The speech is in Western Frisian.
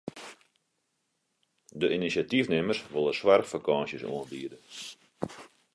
De inisjatyfnimmers wolle soarchfakânsjes oanbiede.